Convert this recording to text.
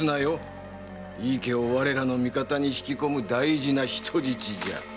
井伊家を我らの味方に引き込む大事な人質じゃ。